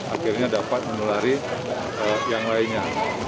akhirnya dapat menulari yang lainnya